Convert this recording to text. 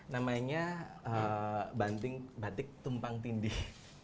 namanya batik tumpang tindih